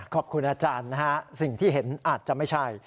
ขอบคุณอาจารย์นะฮะสิ่งที่เห็นอาจจะไม่ใช่